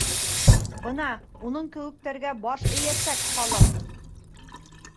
Бына уның кеүектәргә баш эйәсәк халыҡ.